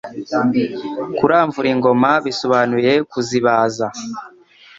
Kuramvura ingoma bisobanuye Kuzibaza